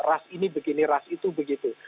ras ini begini ras itu begitu